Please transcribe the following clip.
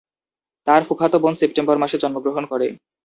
তার ফুফাতো বোন সেপ্টেম্বর মাসে জন্মগ্রহণ করে।